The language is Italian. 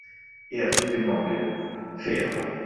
Era tutto immobile, fermo.